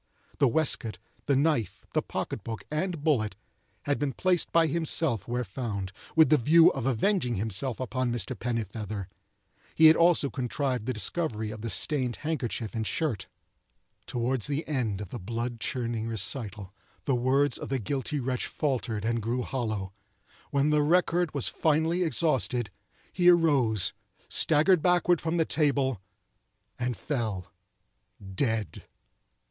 The waistcoat, the knife, the pocket book, and bullet, had been placed by himself where found, with the view of avenging himself upon Mr. Pennifeather. He had also contrived the discovery of the stained handkerchief and shirt. Toward the end of the blood chilling recital the words of the guilty wretch faltered and grew hollow. When the record was finally exhausted, he arose, staggered backward from the table, and fell—dead.